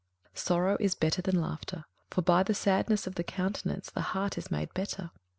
21:007:003 Sorrow is better than laughter: for by the sadness of the countenance the heart is made better.